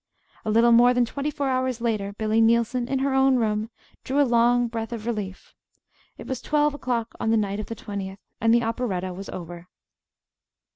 A little more than twenty four hours later, Billy Neilson, in her own room, drew a long breath of relief. It was twelve o'clock on the night of the twentieth, and the operetta was over.